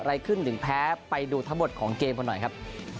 อะไรขึ้นถึงแพ้ไปดูทั้งหมดของเกมกันหน่อยครับ